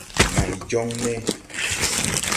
May jɔŋ ne?